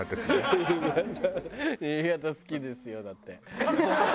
「新潟好きですよ」だって。